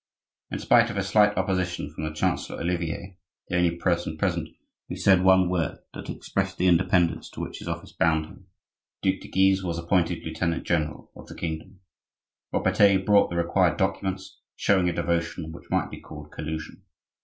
In spite of a slight opposition from the Chancelier Olivier (the only person present who said one word that expressed the independence to which his office bound him), the Duc de Guise was appointed lieutenant general of the kingdom. Robertet brought the required documents, showing a devotion which might be called collusion.